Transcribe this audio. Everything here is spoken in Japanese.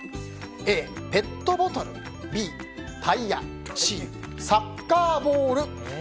Ａ、ペットボトルＢ、タイヤＣ、サッカーボール。